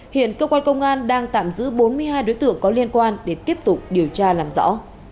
hiện cơ quan công an đang tạm giữ bốn mươi hai đối tượng có liên quan để tiếp tục điều tra làm rõ